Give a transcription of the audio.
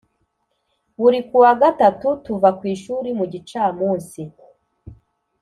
Buri kuwa gatatu tuva ku ishuli mu gicamunsi